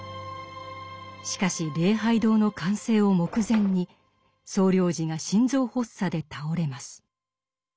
しかし礼拝堂の完成を目前に総領事が心臓発作で倒れます。